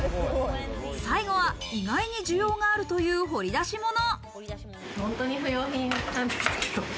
最後は、意外に需要があるという掘り出しもの。